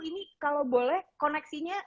ini kalau boleh koneksinya